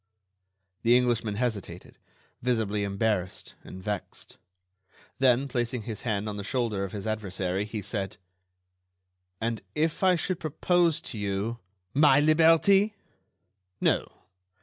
The Englishman hesitated, visibly embarrassed and vexed. Then, placing his hand on the shoulder of his adversary, he said: "And if I should propose to you—" "My liberty?" "No